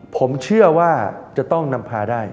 ผมเชื่อว่าจะต้องนำพาได้